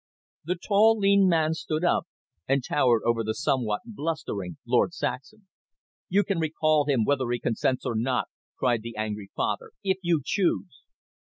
The tall, lean man stood up, and towered over the somewhat blustering Lord Saxham. "You can recall him, whether he consents or not," cried the angry father, "if you choose."